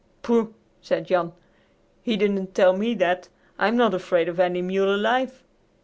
"Pooh!" said Jan; "he didn't tell me that. I'm not afraid of any mule alive.